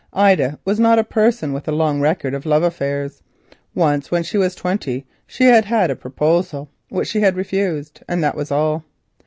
Ida was not a person with a long record of love affairs. Once, when she was twenty, she had received a proposal which she had refused, and that was all.